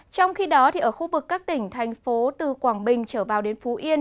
trong khi đó ở khu vực các tỉnh thành phố từ quảng bình trở vào đến phú yên